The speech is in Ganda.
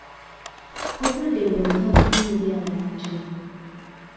Obulwadde buno bukambwe nnyo eri abantu.